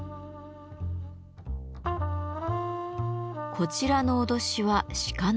こちらの威しは鹿の革。